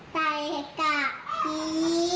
ใส่กะพรี